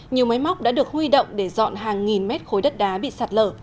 nhiều máy móc đã được huy động để dọn hàng nghìn mét khối đất đá bị sạt lở